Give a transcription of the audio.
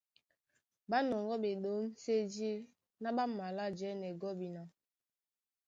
Ɓá nɔŋgɔ́ ɓeɗǒmsédí ná ɓá malá jɛ́nɛ gɔ́bina.